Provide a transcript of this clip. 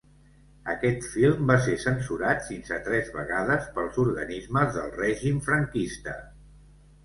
Aquest film va ser censurat fins a tres vegades pels organismes del règim Franquista.